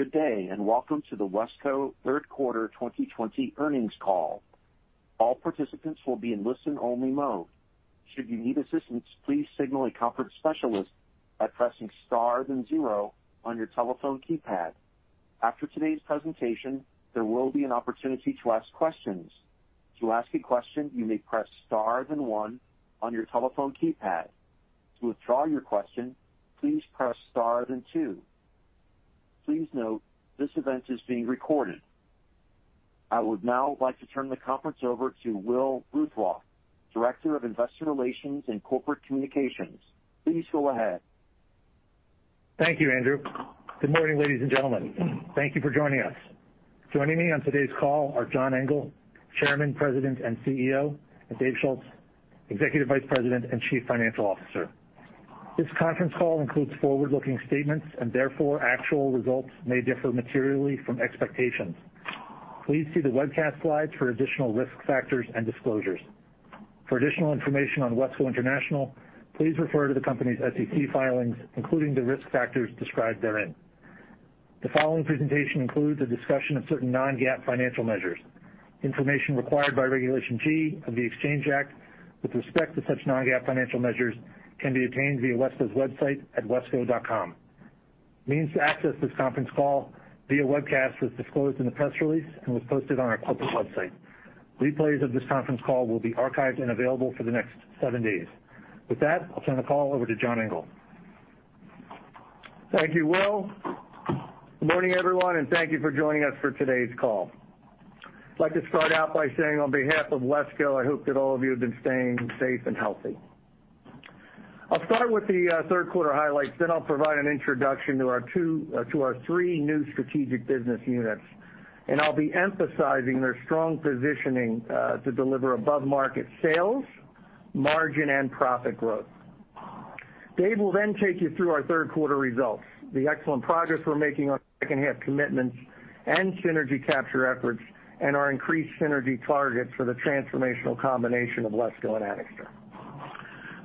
Good day, and welcome to the WESCO third quarter 2020 earnings call. All participants will be in listen-only mode. Should you need assistance, please signal a conference specialist by pressing star then zero on your telephone keypad. After today's presentation, there will be an opportunity to ask questions. To ask a question, you may press star then one on your telephone keypad. To withdraw your question, please press star then two. Please note, this event is being recorded. I would now like to turn the conference over to Will Ruthrauff, Director of Investor Relations and Corporate Communications. Please go ahead. Thank you, Andrew. Good morning, ladies and gentlemen. Thank you for joining us. Joining me on today's call are John Engel, Chairman, President, and CEO, and Dave Schulz, Executive Vice President and Chief Financial Officer. This conference call includes forward-looking statements, and therefore, actual results may differ materially from expectations. Please see the webcast slides for additional risk factors and disclosures. For additional information on WESCO International, please refer to the company's SEC filings, including the risk factors described therein. The following presentation includes a discussion of certain non-GAAP financial measures. Information required by Regulation G of the Exchange Act with respect to such non-GAAP financial measures can be obtained via WESCO's website at wesco.com. Means to access this conference call via webcast was disclosed in the press release and was posted on our corporate website. Replays of this conference call will be archived and available for the next seven days. With that, I'll turn the call over to John Engel. Thank you, Will. Good morning, everyone, and thank you for joining us for today's call. I'd like to start out by saying on behalf of WESCO, I hope that all of you have been staying safe and healthy. I'll start with the third quarter highlights, then I'll provide an introduction to our three new Strategic Business Units, and I'll be emphasizing their strong positioning to deliver above-market sales, margin, and profit growth. Dave will then take you through our third quarter results, the excellent progress we're making on second-half commitments and synergy capture efforts, and our increased synergy target for the transformational combination of WESCO and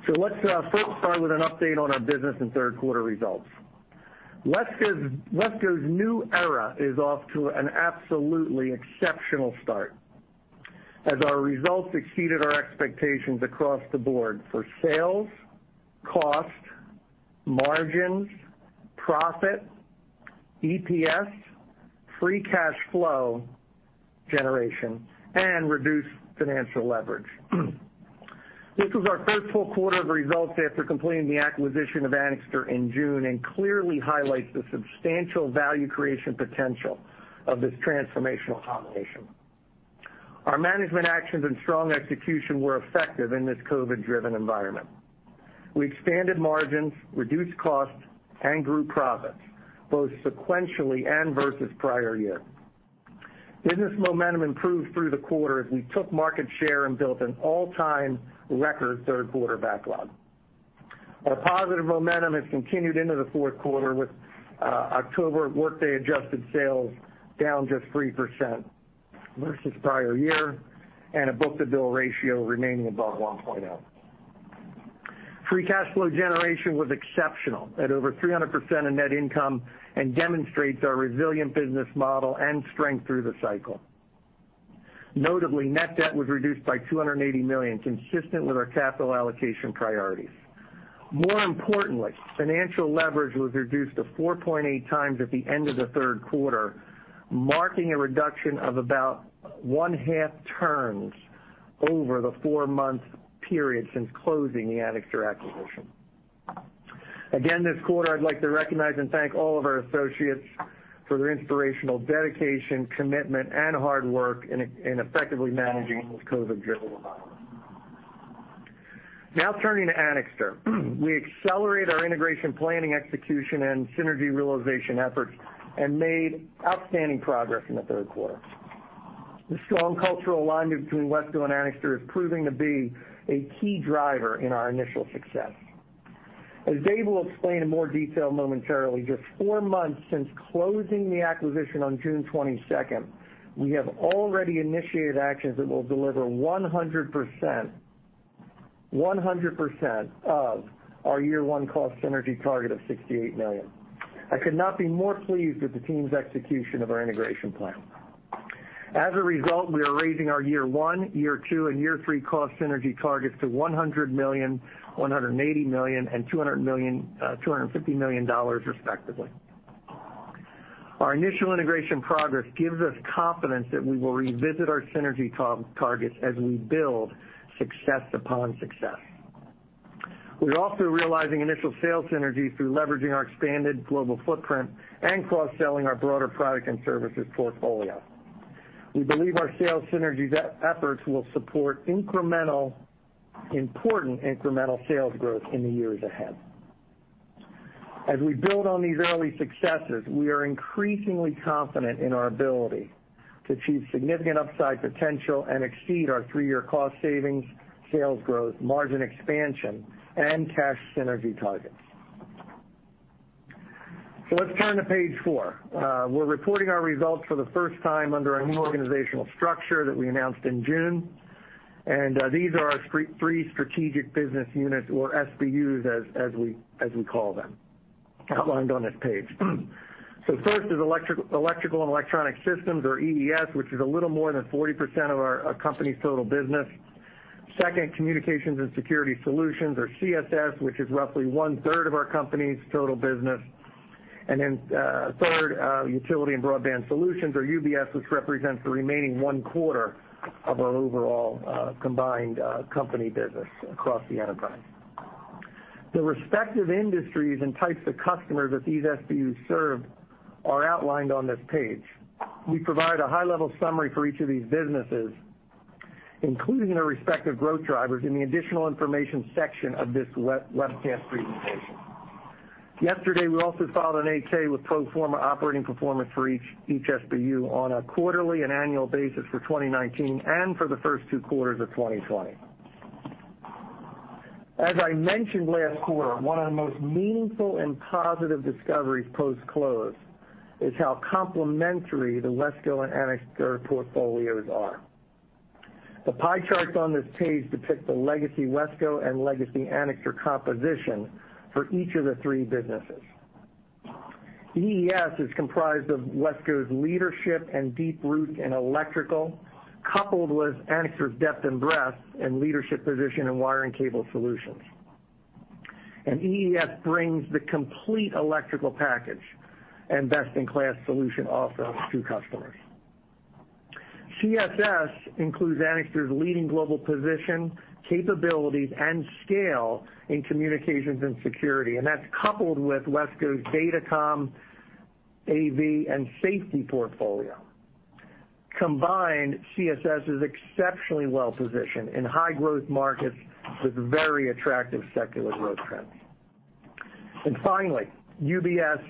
Anixter. Let's first start with an update on our business and third quarter results. WESCO's new era is off to an absolutely exceptional start, as our results exceeded our expectations across the board for sales, cost, margins, profit, EPS, free cash flow generation, and reduced financial leverage. This was our first full quarter of results after completing the acquisition of Anixter in June and clearly highlights the substantial value creation potential of this transformational combination. Our management actions and strong execution were effective in this COVID-driven environment. We expanded margins, reduced costs, and grew profits, both sequentially and versus prior year. Business momentum improved through the quarter as we took market share and built an all-time record third-quarter backlog. Our positive momentum has continued into the fourth quarter with October workday adjusted sales down just 3% versus prior year, and a book-to-bill ratio remaining above 1.0. Free cash flow generation was exceptional at over 300% of net income and demonstrates our resilient business model and strength through the cycle. Notably, net debt was reduced by $280 million, consistent with our capital allocation priorities. More importantly, financial leverage was reduced to 4.8x at the end of the third quarter, marking a reduction of about one-half turns over the four-month period since closing the Anixter acquisition. Again, this quarter, I'd like to recognize and thank all of our associates for their inspirational dedication, commitment, and hard work in effectively managing this COVID-driven environment. Now turning to Anixter. We accelerate our integration planning execution and synergy realization efforts and made outstanding progress in the third quarter. The strong cultural alignment between WESCO and Anixter is proving to be a key driver in our initial success. As Dave will explain in more detail momentarily, just four months since closing the acquisition on June 22nd, we have already initiated actions that will deliver 100% of our year one cost synergy target of $68 million. I could not be more pleased with the team's execution of our integration plan. As a result, we are raising our year one, year two, and year three cost synergy targets to $100 million, $180 million, and $250 million respectively. Our initial integration progress gives us confidence that we will revisit our synergy targets as we build success upon success. We're also realizing initial sales synergies through leveraging our expanded global footprint and cross-selling our broader product and services portfolio. We believe our sales synergy efforts will support important incremental sales growth in the years ahead. As we build on these early successes, we are increasingly confident in our ability to achieve significant upside potential and exceed our three-year cost savings, sales growth, margin expansion, and cash synergy targets. Let's turn to page four. We're reporting our results for the first time under our new organizational structure that we announced in June. These are our three strategic business units, or SBUs, as we call them, outlined on this page. First is Electrical & Electronic Solutions, or EES, which is a little more than 40% of our company's total business. Second, Communications & Security Solutions, or CSS, which is roughly one-third of our company's total business. Third, Utility & Broadband Solutions, or UBS, which represents the remaining one quarter of our overall combined company business across the enterprise. The respective industries and types of customers that these SBUs serve are outlined on this page. We provide a high-level summary for each of these businesses, including their respective growth drivers in the additional information section of this webcast presentation. Yesterday, we also filed an 8-K with pro forma operating performance for each SBU on a quarterly and annual basis for 2019 and for the first two quarters of 2020. As I mentioned last quarter, one of the most meaningful and positive discoveries post-close is how complementary the WESCO and Anixter portfolios are. The pie charts on this page depict the legacy WESCO and legacy Anixter composition for each of the three businesses. EES is comprised of WESCO's leadership and deep roots in electrical, coupled with Anixter's depth and breadth in leadership position in wire and cable solutions. EES brings the complete electrical package and best-in-class solution offerings to customers. CSS includes Anixter's leading global position, capabilities, and scale in communications and security, and that's coupled with WESCO's Datacom, AV, and safety portfolio. Combined, CSS is exceptionally well-positioned in high-growth markets with very attractive secular growth trends. Finally, UBS,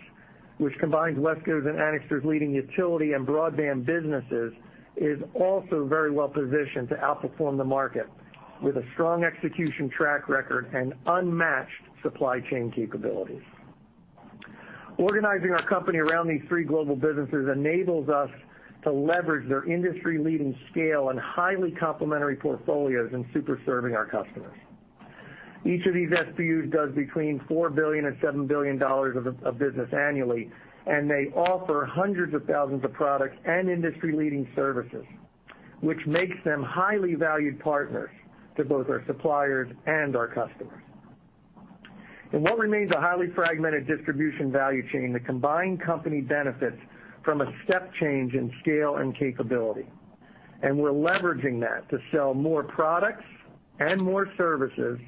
which combines WESCO's and Anixter's leading utility and broadband businesses, is also very well-positioned to outperform the market with a strong execution track record and unmatched supply chain capabilities. Organizing our company around these three global businesses enables us to leverage their industry-leading scale and highly complementary portfolios in super serving our customers. Each of these SBUs does between $4 billion and $7 billion of business annually, and they offer hundreds of thousands of products and industry-leading services, which makes them highly valued partners to both our suppliers and our customers. In what remains a highly fragmented distribution value chain, the combined company benefits from a step change in scale and capability. We're leveraging that to sell more products and more services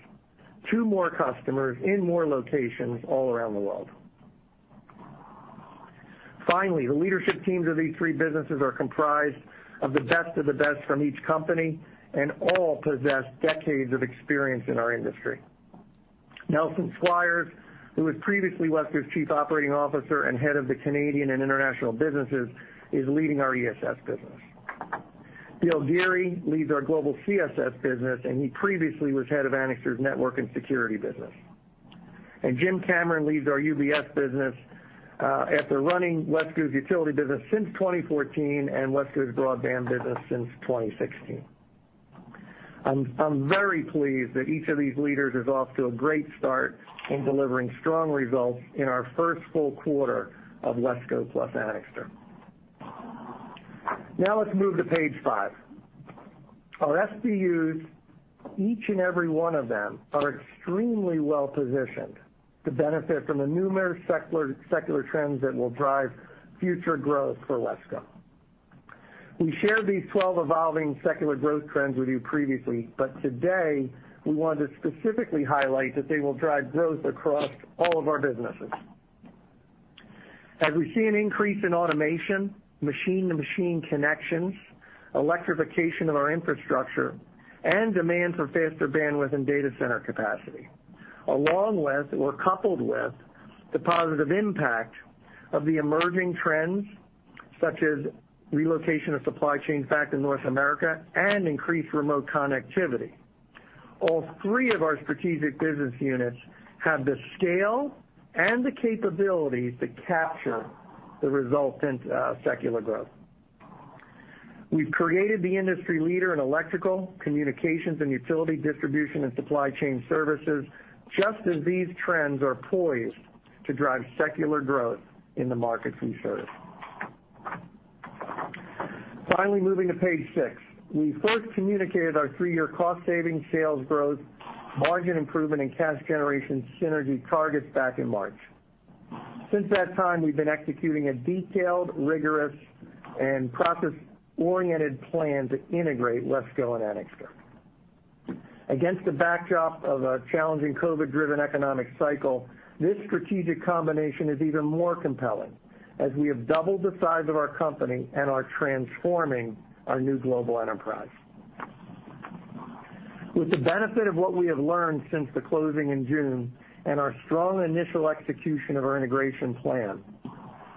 to more customers in more locations all around the world. Finally, the leadership teams of these three businesses are comprised of the best of the best from each company and all possess decades of experience in our industry. Nelson Squires, who was previously WESCO's Chief Operating Officer and head of the Canadian and international businesses, is leading our EES business. Bill Geary leads our global CSS business. He previously was head of Anixter's network and security business. Jim Cameron leads our UBS business after running WESCO's utility business since 2014 and WESCO's broadband business since 2016. I'm very pleased that each of these leaders is off to a great start in delivering strong results in our first full quarter of WESCO plus Anixter. Now let's move to page five. Our SBUs, each and every one of them, are extremely well-positioned to benefit from the numerous secular trends that will drive future growth for WESCO. We shared these 12 evolving secular growth trends with you previously, but today, we want to specifically highlight that they will drive growth across all of our businesses. As we see an increase in automation, machine-to-machine connections, electrification of our infrastructure, and demand for faster bandwidth and data center capacity, along with or coupled with the positive impact of the emerging trends, such as relocation of supply chains back to North America and increased remote connectivity, all three of our Strategic Business Units have the scale and the capabilities to capture the resultant secular growth. We've created the industry leader in electrical, communications, and utility distribution and supply chain services, just as these trends are poised to drive secular growth in the markets we serve. Finally, moving to page six. We first communicated our three-year cost-saving, sales growth, margin improvement, and cash generation synergy targets back in March. Since that time, we've been executing a detailed, rigorous, and process-oriented plan to integrate WESCO and Anixter. Against the backdrop of a challenging COVID-driven economic cycle, this strategic combination is even more compelling as we have doubled the size of our company and are transforming our new global enterprise. With the benefit of what we have learned since the closing in June and our strong initial execution of our integration plan,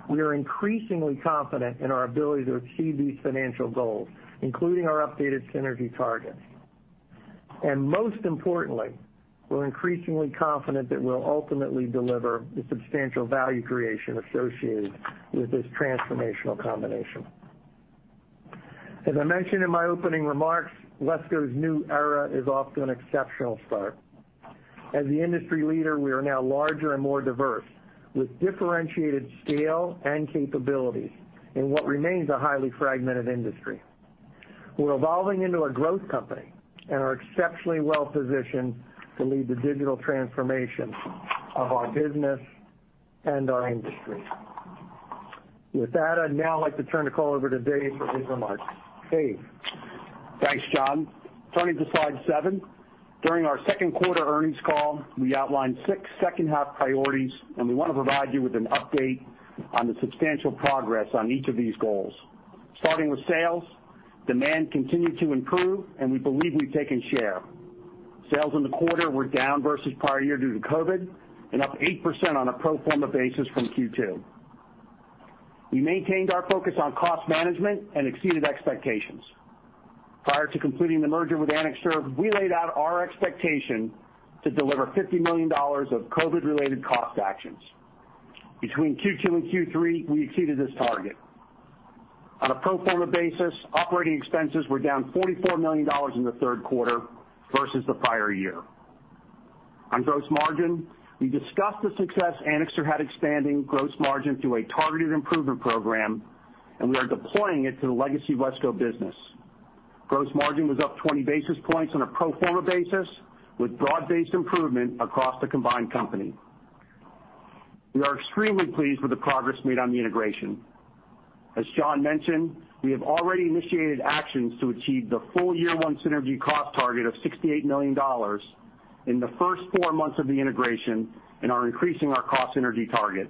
we are increasingly confident in our ability to achieve these financial goals, including our updated synergy targets. Most importantly, we're increasingly confident that we'll ultimately deliver the substantial value creation associated with this transformational combination. As I mentioned in my opening remarks, WESCO's new era is off to an exceptional start. As the industry leader, we are now larger and more diverse, with differentiated scale and capabilities in what remains a highly fragmented industry. We're evolving into a growth company and are exceptionally well-positioned to lead the digital transformation of our business and our industry. With that, I'd now like to turn the call over to Dave for his remarks. Dave? Thanks, John. Turning to slide seven. During our second-quarter earnings call, we outlined six second-half priorities, and we want to provide you with an update on the substantial progress on each of these goals. Starting with sales, demand continued to improve, and we believe we've taken share. Sales in the quarter were down versus prior year due to COVID, and up 8% on a pro forma basis from Q2. We maintained our focus on cost management and exceeded expectations. Prior to completing the merger with Anixter, we laid out our expectation to deliver $50 million of COVID-related cost actions. Between Q2 and Q3, we exceeded this target. On a pro forma basis, operating expenses were down $44 million in the third quarter versus the prior year. On gross margin, we discussed the success Anixter had expanding gross margin through a targeted improvement program, and we are deploying it to the legacy WESCO business. Gross margin was up 20 basis points on a pro forma basis, with broad-based improvement across the combined company. We are extremely pleased with the progress made on the integration. As John mentioned, we have already initiated actions to achieve the full year one synergy cost target of $68 million in the first four months of the integration and are increasing our cost synergy target.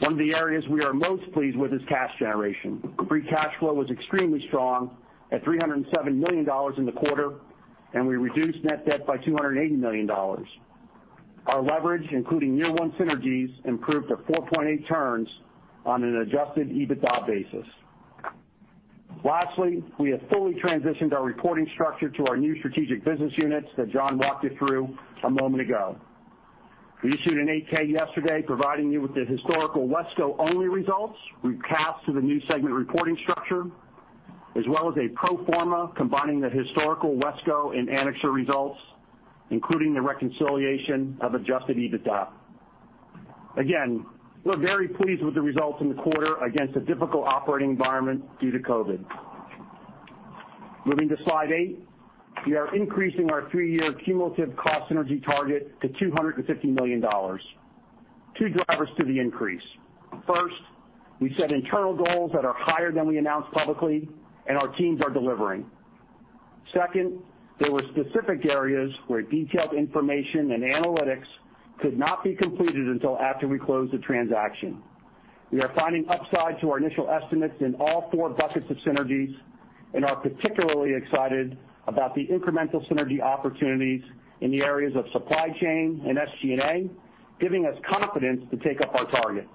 One of the areas we are most pleased with is cash generation. Free cash flow was extremely strong at $307 million in the quarter, and we reduced net debt by $280 million. Our leverage, including year one synergies, improved to 4.8 turns on an adjusted EBITDA basis. Lastly, we have fully transitioned our reporting structure to our new Strategic Business Units that John walked you through a moment ago. We issued an 8-K yesterday providing you with the historical WESCO-only results we've cast to the new segment reporting structure, as well as a pro forma combining the historical WESCO and Anixter results, including the reconciliation of adjusted EBITDA. We're very pleased with the results in the quarter against a difficult operating environment due to COVID. Moving to slide eight. We are increasing our 3-year cumulative cost synergy target to $250 million. Two drivers to the increase. First, we set internal goals that are higher than we announced publicly, our teams are delivering. Second, there were specific areas where detailed information and analytics could not be completed until after we closed the transaction. We are finding upside to our initial estimates in all four buckets of synergies and are particularly excited about the incremental synergy opportunities in the areas of supply chain and SG&A, giving us confidence to take up our target.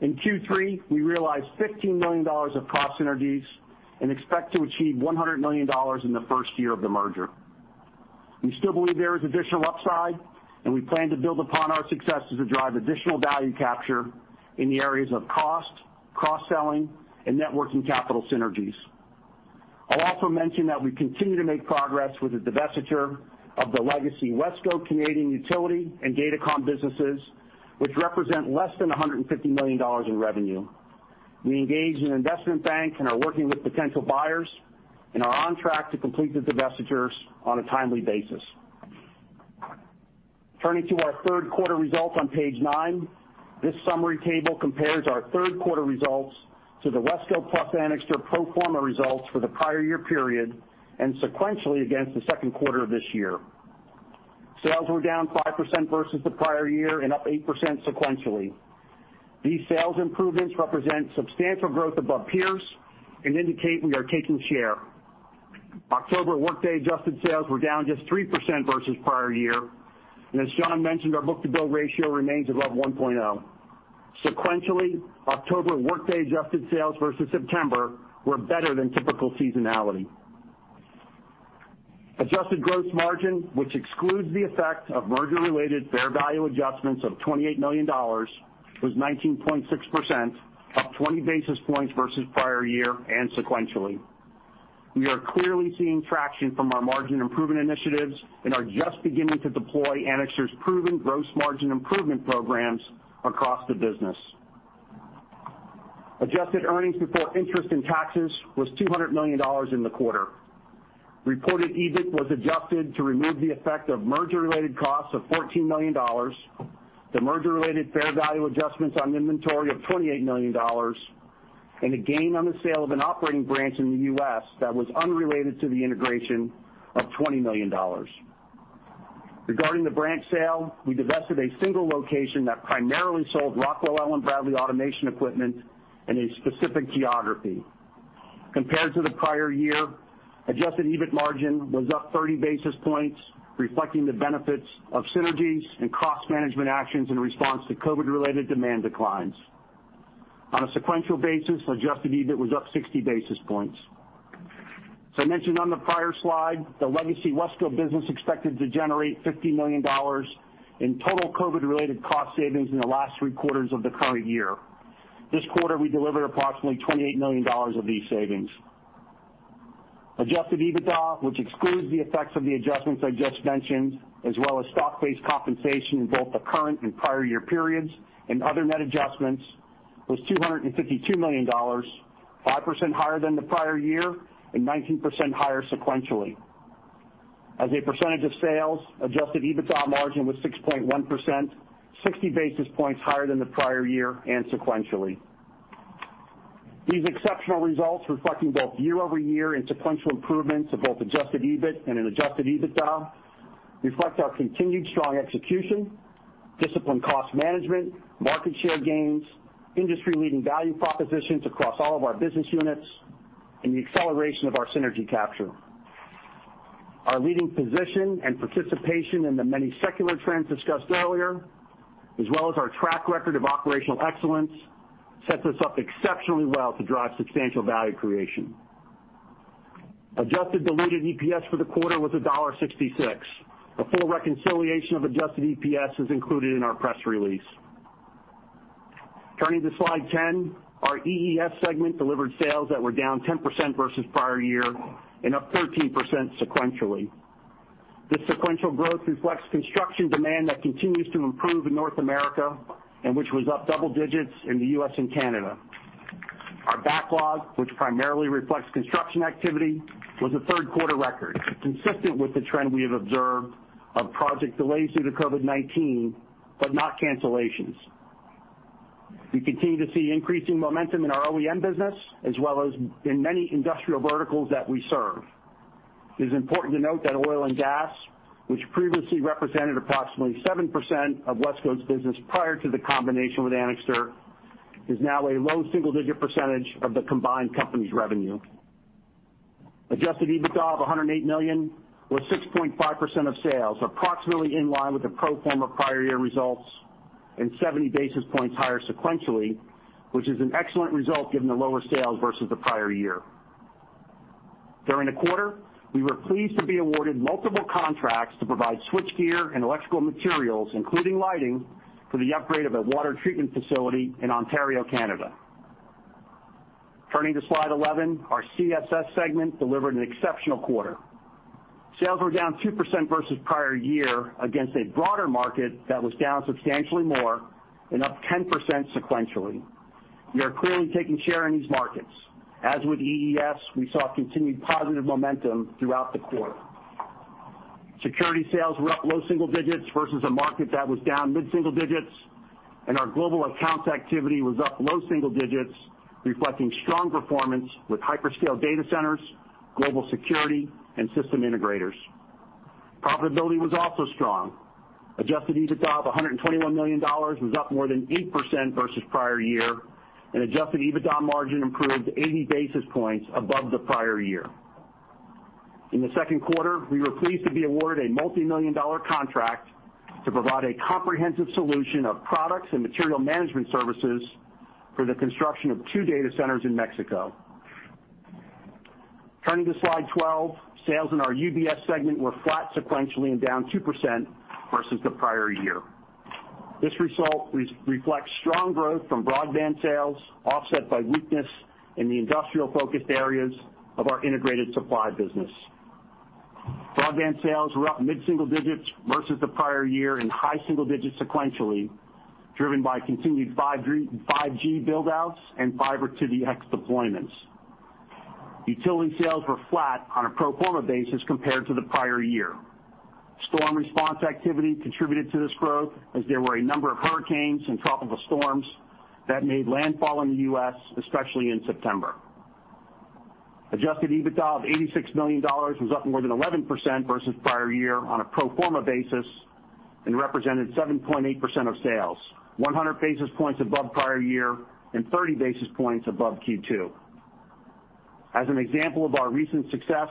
In Q3, we realized $15 million of cost synergies and expect to achieve $100 million in the first year of the merger. We still believe there is additional upside, and we plan to build upon our successes to drive additional value capture in the areas of cost, cross-selling, and net working capital synergies. I'll also mention that we continue to make progress with the divestiture of the legacy WESCO Canadian utility and Datacom businesses, which represent less than $150 million in revenue. We engaged an investment bank and are working with potential buyers and are on track to complete the divestitures on a timely basis. Turning to our third quarter results on page nine. This summary table compares our third quarter results to the WESCO plus Anixter pro forma results for the prior year period and sequentially against the second quarter of this year. Sales were down 5% versus the prior year and up 8% sequentially. These sales improvements represent substantial growth above peers and indicate we are taking share. October workday adjusted sales were down just 3% versus prior year, and as John mentioned, our book-to-bill ratio remains above 1.0. Sequentially, October workday adjusted sales versus September were better than typical seasonality. Adjusted gross margin, which excludes the effect of merger-related fair value adjustments of $28 million, was 19.6%, up 20 basis points versus prior year and sequentially. We are clearly seeing traction from our margin improvement initiatives and are just beginning to deploy Anixter's proven gross margin improvement programs across the business. Adjusted earnings before interest and taxes was $200 million in the quarter. Reported EBIT was adjusted to remove the effect of merger-related costs of $14 million, the merger-related fair value adjustments on inventory of $28 million, and a gain on the sale of an operating branch in the U.S. that was unrelated to the integration of $20 million. Regarding the branch sale, we divested a single location that primarily sold Rockwell Allen-Bradley automation equipment in a specific geography. Compared to the prior year, adjusted EBIT margin was up 30 basis points, reflecting the benefits of synergies and cost management actions in response to COVID-related demand declines. On a sequential basis, adjusted EBIT was up 60 basis points. As I mentioned on the prior slide, the legacy WESCO business expected to generate $50 million in total COVID-related cost savings in the last three quarters of the current year. This quarter, we delivered approximately $28 million of these savings. Adjusted EBITDA, which excludes the effects of the adjustments I just mentioned, as well as stock-based compensation in both the current and prior year periods and other net adjustments, was $252 million, 5% higher than the prior year and 19% higher sequentially. As a percentage of sales, adjusted EBITDA margin was 6.1%, 60 basis points higher than the prior year and sequentially. These exceptional results reflecting both year-over-year and sequential improvements of both adjusted EBIT and an adjusted EBITDA reflect our continued strong execution, disciplined cost management, market share gains, industry-leading value propositions across all of our business units, and the acceleration of our synergy capture. Our leading position and participation in the many secular trends discussed earlier, as well as our track record of operational excellence, sets us up exceptionally well to drive substantial value creation. Adjusted diluted EPS for the quarter was $1.66. A full reconciliation of adjusted EPS is included in our press release. Turning to Slide 10, our EES segment delivered sales that were down 10% versus prior year and up 13% sequentially. This sequential growth reflects construction demand that continues to improve in North America and which was up double digits in the U.S. and Canada. Our backlog, which primarily reflects construction activity, was a third-quarter record, consistent with the trend we have observed of project delays due to COVID-19, but not cancellations. We continue to see increasing momentum in our OEM business as well as in many industrial verticals that we serve. It is important to note that oil and gas, which previously represented approximately 7% of WESCO's business prior to the combination with Anixter, is now a low single-digit percentage of the combined company's revenue. Adjusted EBITDA of $108 million was 6.5% of sales, approximately in line with the pro forma prior year results and 70 basis points higher sequentially, which is an excellent result given the lower sales versus the prior year. During the quarter, we were pleased to be awarded multiple contracts to provide switchgear and electrical materials, including lighting, for the upgrade of a water treatment facility in Ontario, Canada. Turning to Slide 11, our CSS segment delivered an exceptional quarter. Sales were down 2% versus the prior year against a broader market that was down substantially more and up 10% sequentially. We are clearly taking share in these markets. As with EES, we saw continued positive momentum throughout the quarter. Security sales were up low single digits versus a market that was down mid-single digits, and our global accounts activity was up low single digits, reflecting strong performance with hyperscale data centers, global security, and system integrators. Profitability was also strong. Adjusted EBITDA of $121 million was up more than 8% versus the prior year, and adjusted EBITDA margin improved 80 basis points above the prior year. In the second quarter, we were pleased to be awarded a multimillion-dollar contract to provide a comprehensive solution of products and material management services for the construction of two data centers in Mexico. Turning to Slide 12, sales in our UBS segment were flat sequentially and down 2% versus the prior year. This result reflects strong growth from broadband sales offset by weakness in the industrial-focused areas of our integrated supply business. Broadband sales were up mid-single digits versus the prior year and high single digits sequentially, driven by continued 5G build-outs and fiber-to-the-x deployments. Utility sales were flat on a pro forma basis compared to the prior year. Storm response activity contributed to this growth as there were a number of hurricanes and tropical storms that made landfall in the U.S., especially in September. Adjusted EBITDA of $86 million was up more than 11% versus the prior year on a pro forma basis and represented 7.8% of sales, 100 basis points above the prior year and 30 basis points above Q2. As an example of our recent success,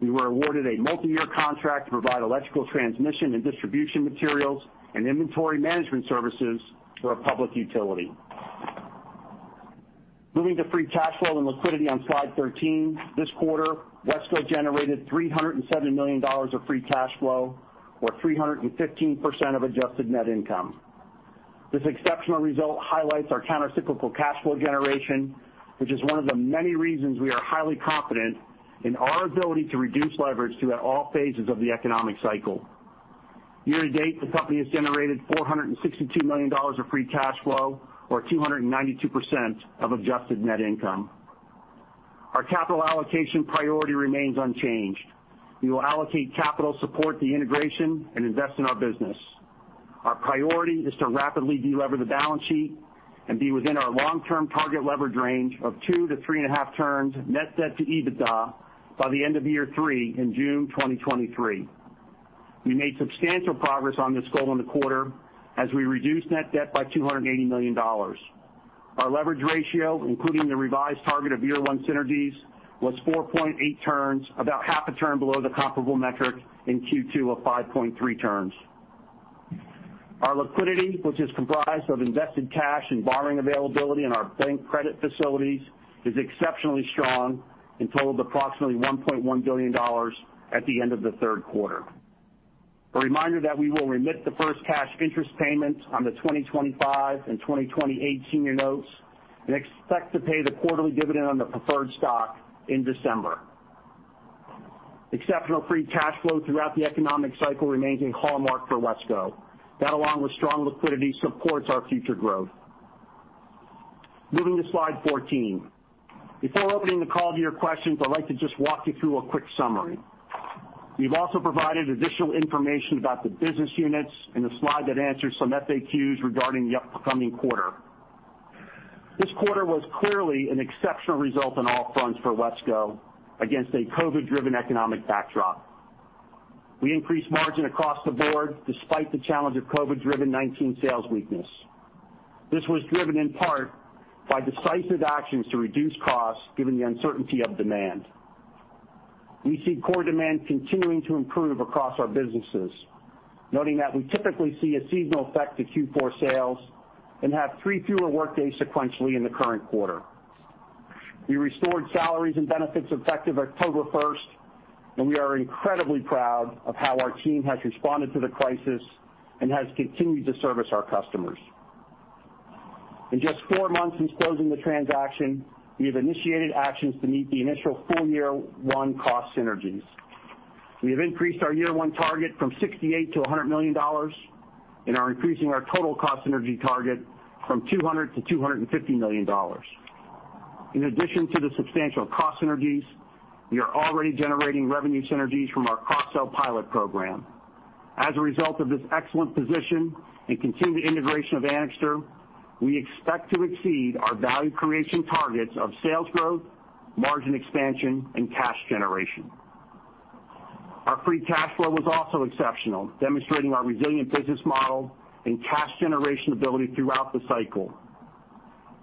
we were awarded a multiyear contract to provide electrical transmission and distribution materials and inventory management services for a public utility. Moving to free cash flow and liquidity on slide 13. This quarter, WESCO generated $307 million of free cash flow or 315% of adjusted net income. This exceptional result highlights our countercyclical cash flow generation, which is one of the many reasons we are highly confident in our ability to reduce leverage throughout all phases of the economic cycle. Year to date, the company has generated $462 million of free cash flow or 292% of adjusted net income. Our capital allocation priority remains unchanged. We will allocate capital support the integration and invest in our business. Our priority is to rapidly delever the balance sheet and be within our long-term target leverage range of two to three and a half turns net debt to EBITDA by the end of year three in June 2023. We made substantial progress on this goal in the quarter as we reduced net debt by $280 million. Our leverage ratio, including the revised target of year one synergies, was 4.8 turns, about half a turn below the comparable metric in Q2 of 5.3 turns. Our liquidity, which is comprised of invested cash and borrowing availability in our bank credit facilities, is exceptionally strong, and totaled approximately $1.1 billion at the end of the third quarter. A reminder that we will remit the first cash interest payment on the 2025 and 2028 senior notes, and expect to pay the quarterly dividend on the preferred stock in December. Exceptional free cash flow throughout the economic cycle remains a hallmark for WESCO. That, along with strong liquidity, supports our future growth. Moving to slide 14. Before opening the call to your questions, I'd like to just walk you through a quick summary. We've also provided additional information about the business units in a slide that answers some FAQs regarding the upcoming quarter. This quarter was clearly an exceptional result on all fronts for WESCO against a COVID-driven economic backdrop. We increased margin across the board despite the challenge of COVID-19-driven sales weakness. This was driven in part by decisive actions to reduce costs, given the uncertainty of demand. We see core demand continuing to improve across our businesses, noting that we typically see a seasonal effect to Q4 sales and have three fewer workdays sequentially in the current quarter. We restored salaries and benefits effective October 1st, and we are incredibly proud of how our team has responded to the crisis and has continued to service our customers. In just four months since closing the transaction, we have initiated actions to meet the initial full year one cost synergies. We have increased our year one target from $68 million-$100 million, and are increasing our total cost synergy target from $200 million-$250 million. In addition to the substantial cost synergies, we are already generating revenue synergies from our cross-sell pilot program. As a result of this excellent position and continued integration of Anixter, we expect to exceed our value creation targets of sales growth, margin expansion, and cash generation. Our free cash flow was also exceptional, demonstrating our resilient business model and cash generation ability throughout the cycle.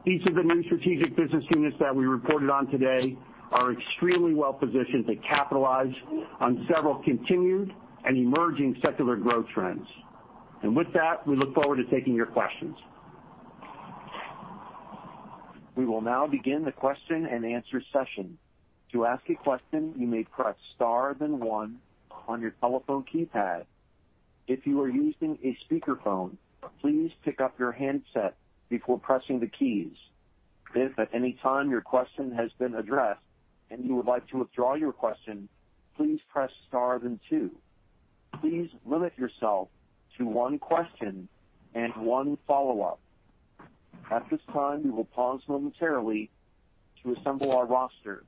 Each of the new strategic business units that we reported on today are extremely well-positioned to capitalize on several continued and emerging secular growth trends. With that, we look forward to taking your questions. We will now begin the question-and-answer session. To ask a question, you may press star then one on your telephone keypad. If you are using a speakerphone, please pick up your handset before pressing the keys. If at any time your question has been addressed and you would like to withdraw your question, please press star then two. Please limit yourself to one question and one follow-up. At this time we will pause momentarily to assemble our roster.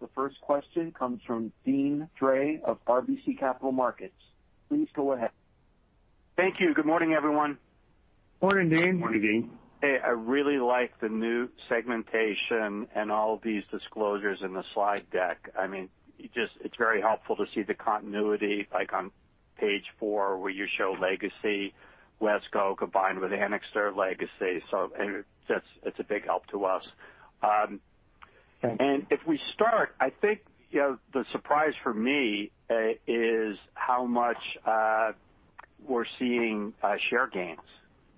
The first question comes from Deane Dray of RBC Capital Markets. Please go ahead. Thank you. Good morning, everyone. Morning, Deane. Morning, Deane. Hey, I really like the new segmentation and all of these disclosures in the slide deck. It's very helpful to see the continuity, like on page four, where you show legacy WESCO combined with Anixter legacy. It's a big help to us. Thank you. If we start, I think the surprise for me is how much we're seeing share gains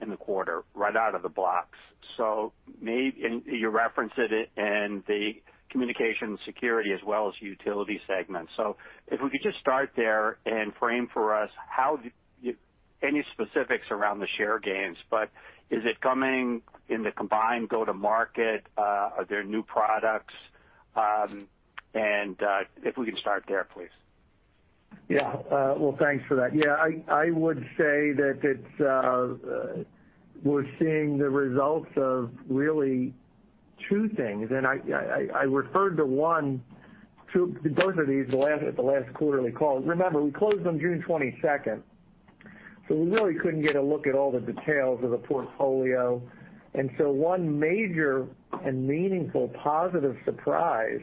in the quarter right out of the blocks. Maybe, and you referenced it in the Communications & Security Solutions as well as Utility & Broadband Solutions segments. If we could just start there and frame for us any specifics around the share gains. Is it coming in the combined go to market? Are there new products? If we can start there, please. Yeah. Well, thanks for that. Yeah, I would say that we're seeing the results of really two things, and I referred to both of these at the last quarterly call. Remember, we closed on June 22nd, we really couldn't get a look at all the details of the portfolio. One major and meaningful positive surprise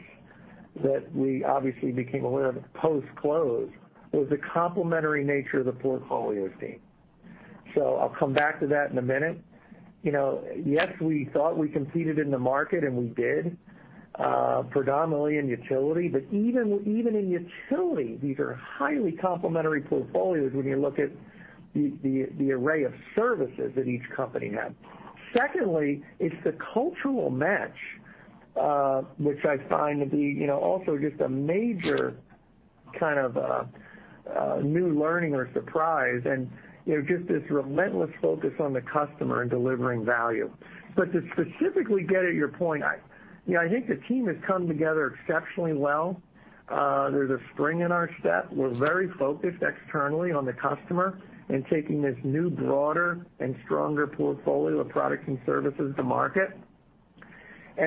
that we obviously became aware of post-close was the complementary nature of the portfolio, Deane. I'll come back to that in a minute. Yes, we thought we competed in the market and we did, predominantly in utility. Even in utility, these are highly complementary portfolios when you look at the array of services that each company had. Secondly, it's the cultural match, which I find to be also just a major kind of a new learning or surprise, and just this relentless focus on the customer and delivering value. To specifically get at your point, I think the team has come together exceptionally well. There's a spring in our step. We're very focused externally on the customer and taking this new, broader, and stronger portfolio of products and services to market.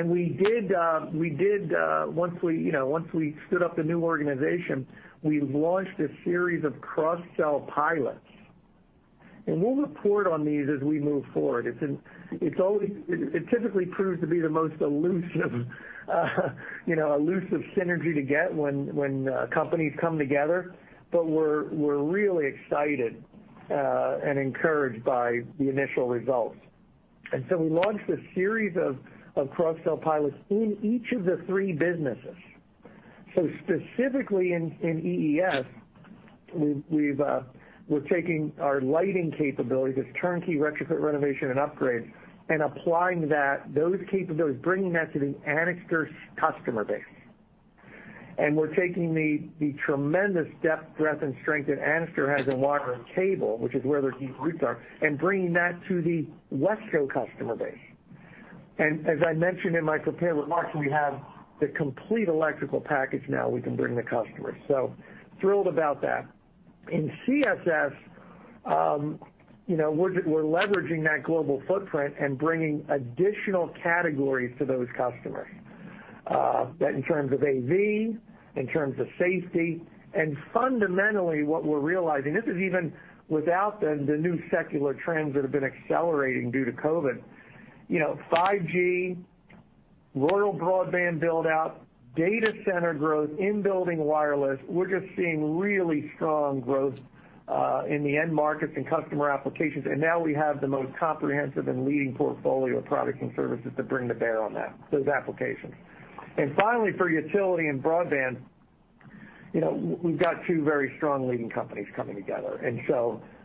We did, once we stood up the new organization, we launched a series of cross-sell pilots, and we'll report on these as we move forward. It typically proves to be the most elusive synergy to get when companies come together. We're really excited and encouraged by the initial results. We launched a series of cross-sell pilots in each of the three businesses. Specifically in EES, we're taking our lighting capabilities, this turnkey retrofit renovation and upgrade, and applying those capabilities, bringing that to the Anixter customer base. We're taking the tremendous depth, breadth, and strength that Anixter has in wire and cable, which is where their deep roots are, and bringing that to the WESCO customer base. As I mentioned in my prepared remarks, we have the complete electrical package now we can bring the customer. Thrilled about that. In CSS, we're leveraging that global footprint and bringing additional categories to those customers. That in terms of AV, in terms of safety, and fundamentally what we're realizing, this is even without the new secular trends that have been accelerating due to COVID. 5G, rural broadband build-out, data center growth, in-building wireless. We're just seeing really strong growth, in the end markets and customer applications. Now we have the most comprehensive and leading portfolio of products and services to bring to bear on those applications. Finally, for utility and broadband, we've got two very strong leading companies coming together.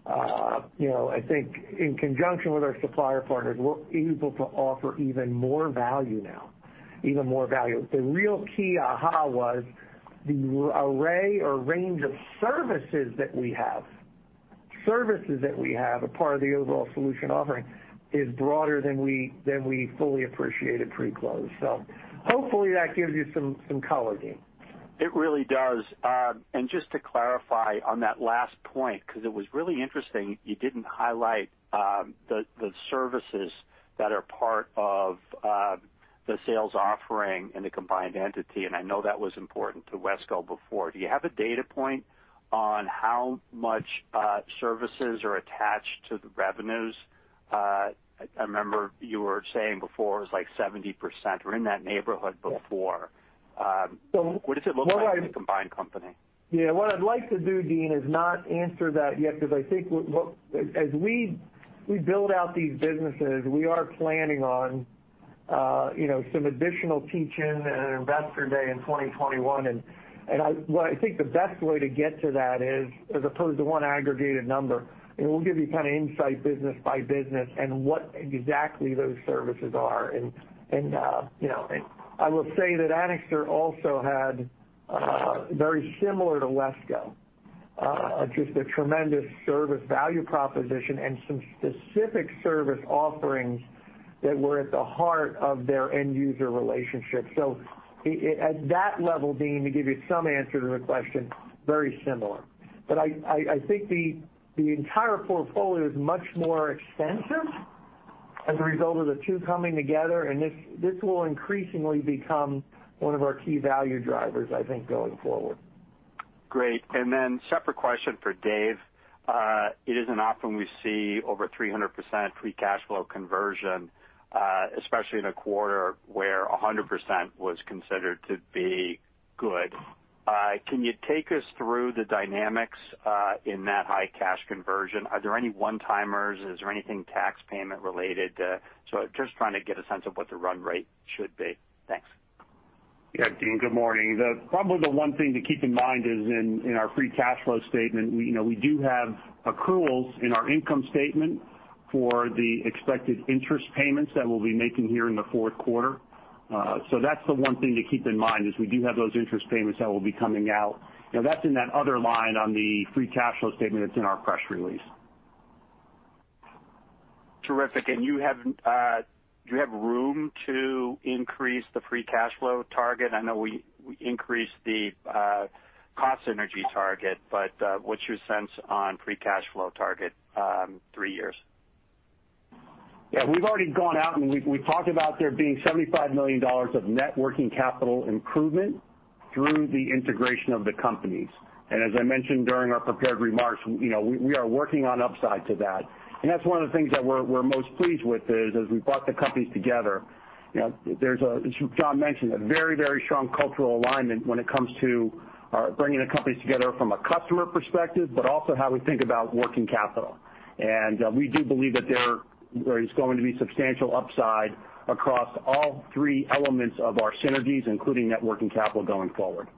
I think in conjunction with our supplier partners, we're able to offer even more value now. The real key aha was the array or range of services that we have. Services that we have are part of the overall solution offering is broader than we fully appreciated pre-close. Hopefully that gives you some coloring. It really does. Just to clarify on that last point, because it was really interesting you didn't highlight the services that are part of the sales offering in the combined entity, and I know that was important to WESCO before. Do you have a data point on how much services are attached to the revenues? I remember you were saying before it was like 70%, or in that neighborhood before. So what I- What does it look like in the combined company? Yeah. What I'd like to do, Deane, is not answer that yet, because I think as we build out these businesses, we are planning on some additional teach-in and an investor day in 2021. What I think the best way to get to that is as opposed to one aggregated number, and we'll give you insight business by business and what exactly those services are. I will say that Anixter also had, very similar to WESCO, just a tremendous service value proposition and some specific service offerings that were at the heart of their end user relationship. At that level, Deane, to give you some answer to the question, very similar. I think the entire portfolio is much more extensive as a result of the two coming together, and this will increasingly become one of our key value drivers, I think, going forward. Great. Separate question for Dave. It isn't often we see over 300% free cash flow conversion, especially in a quarter where 100% was considered to be good. Can you take us through the dynamics in that high cash conversion? Are there any one-timers? Is there anything tax payment related? Just trying to get a sense of what the run rate should be. Thanks. Yeah, Deane, good morning. Probably the one thing to keep in mind is in our free cash flow statement, we do have accruals in our income statement for the expected interest payments that we'll be making here in the fourth quarter. That's the one thing to keep in mind, is we do have those interest payments that will be coming out. That's in that other line on the free cash flow statement that's in our press release. Terrific. Do you have room to increase the free cash flow target? I know we increased the cost synergy target, but what's your sense on free cash flow target, three years? Yeah, we've already gone out, and we talked about there being $75 million of net working capital improvement through the integration of the companies. As I mentioned during our prepared remarks, we are working on upside to that, and that's one of the things that we're most pleased with, is as we brought the companies together, as John mentioned, a very strong cultural alignment when it comes to bringing the companies together from a customer perspective, but also how we think about working capital. We do believe that there is going to be substantial upside across all three elements of our synergies, including net working capital going forward.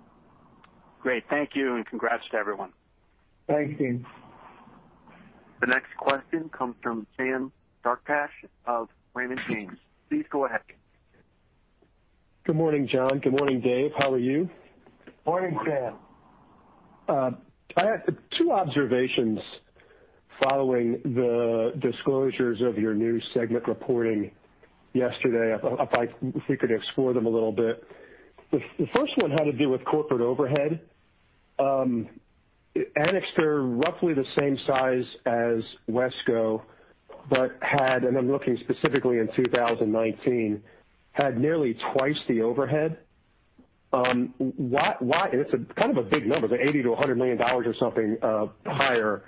Great. Thank you, and congrats to everyone. Thanks, Deane. The next question comes from Sam Darkatsh of Raymond James. Please go ahead. Good morning, John. Good morning, Dave. How are you? Morning, Sam. I have two observations following the disclosures of your new segment reporting yesterday. I'd like if we could explore them a little bit. The first one had to do with corporate overhead. Anixter roughly the same size as WESCO, but had, and I'm looking specifically in 2019, had nearly twice the overhead. It's a big number, the $80 million-$100 million or something, higher.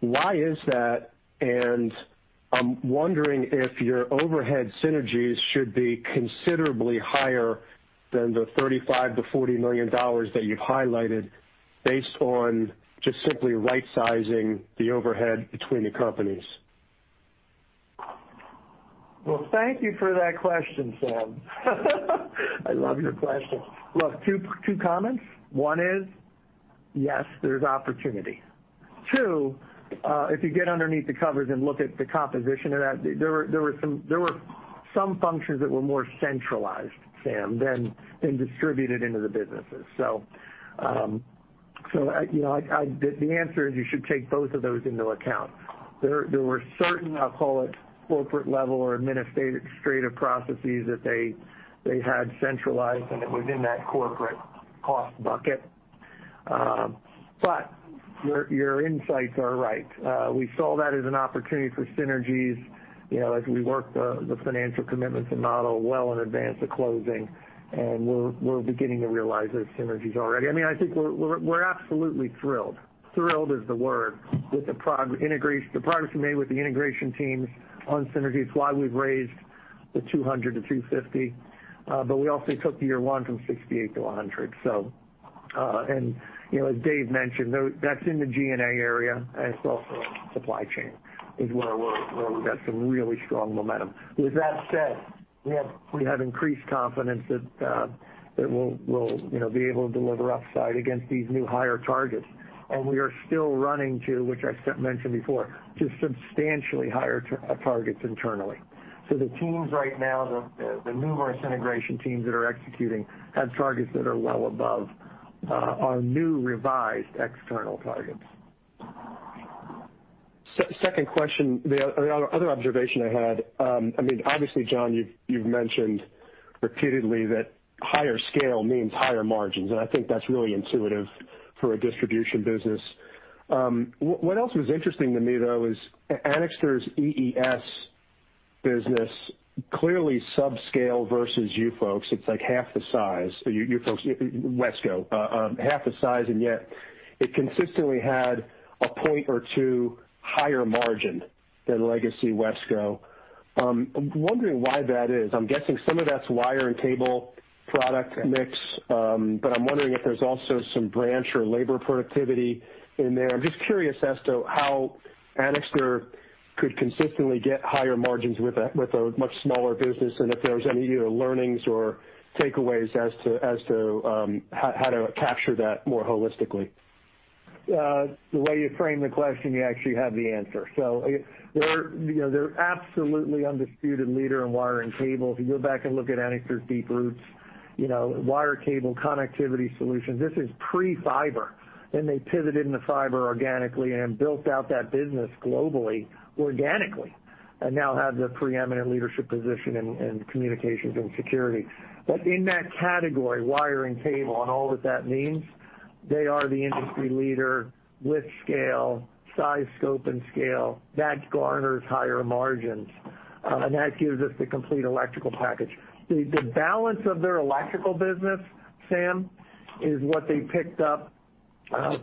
Why is that? I'm wondering if your overhead synergies should be considerably higher than the $35 million-$40 million that you've highlighted based on just simply right-sizing the overhead between the companies. Well, thank you for that question, Sam. I love your question. Look, two comments. One is, yes, there's opportunity. Two, if you get underneath the covers and look at the composition of that, there were some functions that were more centralized, Sam, than distributed into the businesses. The answer is you should take both of those into account. There were certain, I'll call it corporate level or administrative processes that they had centralized, and it was in that corporate cost bucket. Your insights are right. We saw that as an opportunity for synergies, as we worked the financial commitments and model well in advance of closing, and we're beginning to realize those synergies already. I think we're absolutely thrilled. Thrilled is the word with the progress we made with the integration teams on synergies. It's why we've raised the $200 million-$250 million, but we also took the year one from $68 million-$100 million. As Dave mentioned, that's in the G&A area and it's also supply chain is where we've got some really strong momentum. With that said, we have increased confidence that we'll be able to deliver upside against these new higher targets. We are still running to, which I mentioned before, to substantially higher targets internally. The teams right now, the numerous integration teams that are executing, have targets that are well above our new revised external targets. Second question. The other observation I had, obviously, John, you've mentioned repeatedly that higher scale means higher margins, and I think that's really intuitive for a distribution business. What else was interesting to me, though, is Anixter's EES business clearly subscale versus you folks. It's like half the size. You folks, WESCO, half the size, and yet it consistently had a point or two higher margin than legacy WESCO. I'm wondering why that is. I'm guessing some of that's wire and cable product mix, but I'm wondering if there's also some branch or labor productivity in there. I'm just curious as to how Anixter could consistently get higher margins with a much smaller business and if there was any learnings or takeaways as to how to capture that more holistically. The way you frame the question, you actually have the answer. They're absolutely undisputed leader in wire and cable. If you go back and look at Anixter's deep roots, wire cable connectivity solution, this is pre-fiber, and they pivoted into fiber organically and built out that business globally, organically, and now have the preeminent leadership position in communications and security. In that category, wire and cable, and all that that means, they are the industry leader with scale, size, scope, and scale. That garners higher margins, and that gives us the complete electrical package. The balance of their electrical business, Sam, is what they picked up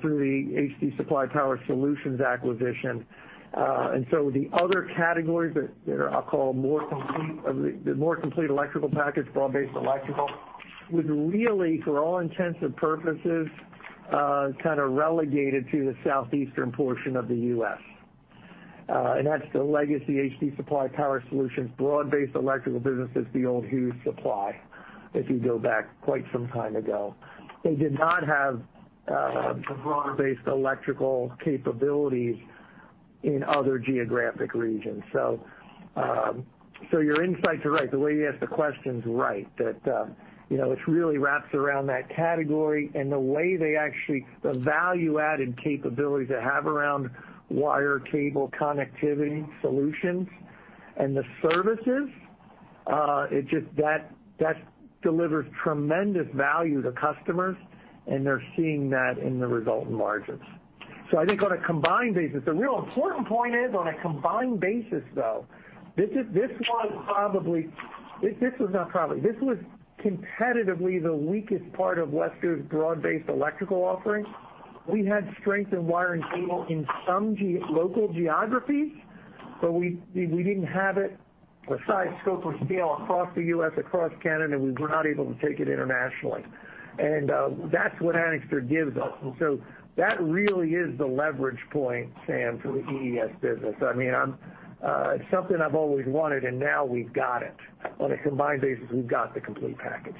through the HD Supply Power Solutions acquisition. The other categories that I'll call more complete of the more complete electrical package, broad-based electrical, was really, for all intents and purposes, kind of relegated to the southeastern portion of the U.S. That's the legacy HD Supply Power Solutions broad-based electrical business is the old Hughes Supply, if you go back quite some time ago. They did not have the broad-based electrical capabilities in other geographic regions. Your insights are right. The way you ask the question's right. It's really wrapped around that category and the way they actually, the value-added capabilities they have around wire cable connectivity solutions and the services, that delivers tremendous value to customers, and they're seeing that in the resultant margins. I think on a combined basis, the real important point is on a combined basis, though, this was not probably, this was competitively the weakest part of WESCO's broad-based electrical offerings. We had strength in wire and cable in some local geographies, but we didn't have it with size, scope, or scale across the U.S., across Canada, and we were not able to take it internationally. That's what Anixter gives us. That really is the leverage point, Sam, for the EES business. It's something I've always wanted, and now we've got it. On a combined basis, we've got the complete package.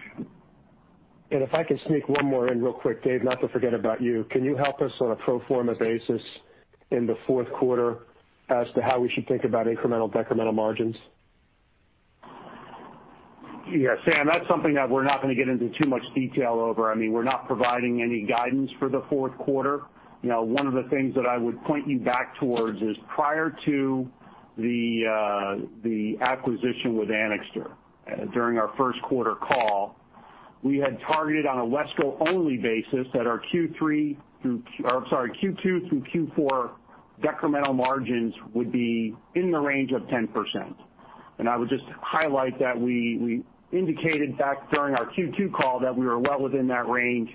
If I could sneak one more in real quick, Dave, not to forget about you. Can you help us on a pro forma basis in the fourth quarter as to how we should think about incremental/decremental margins? Yeah, Sam, that's something that we're not going to get into too much detail over. We're not providing any guidance for the fourth quarter. One of the things that I would point you back towards is prior to the acquisition with Anixter, during our first quarter call, we had targeted on a WESCO-only basis that our Q2 through Q4 decremental margins would be in the range of 10%. I would just highlight that we indicated back during our Q2 call that we were well within that range.